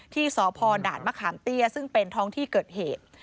ที่สพด่านมะขามเตี้ยซึ่งเป็นท้องที่เกิดเหตุ